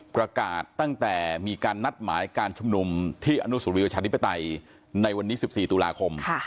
ประกาศตั้งแต่มีการนัดหมายการชุมนุมที่อนุสุริประชาธิปไตยในวันนี้๑๔ตุลาคม